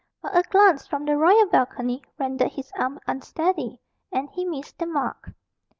But a glance from the royal balcony rendered his arm unsteady, and he missed the mark.